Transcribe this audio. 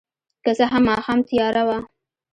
که څه هم ماښام تیاره وه.